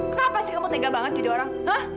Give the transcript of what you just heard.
kenapa sih kamu tega banget jadi orang